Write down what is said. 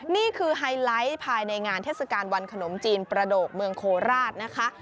ไฮไลท์ภายในงานเทศกาลวันขนมจีนประโดกเมืองโคราชนะคะ